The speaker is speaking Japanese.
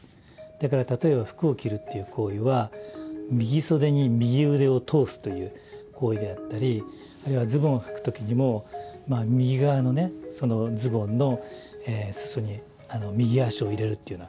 だから例えば服を着るっていう行為は右袖に右腕を通すという行為であったりあるいはズボンをはく時にも右側のねズボンの裾に右足を入れるというような行為。